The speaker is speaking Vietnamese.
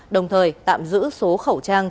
đồng thời tạm giữ số khẩu trang